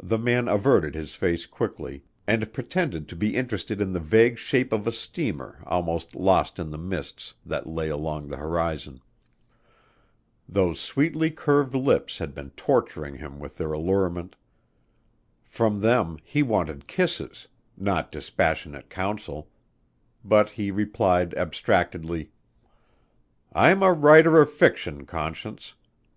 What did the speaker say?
The man averted his face quickly and pretended to be interested in the vague shape of a steamer almost lost in the mists that lay along the horizon. Those sweetly curved lips had been torturing him with their allurement. From them he wanted kisses not dispassionate counsel but he replied abstractedly: "I'm a writer of fiction, Conscience.